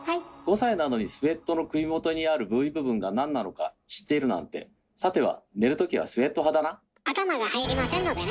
５歳なのにスウェットの首元にあるＶ部分がなんなのか知っているなんてさては頭が入りませんのでね。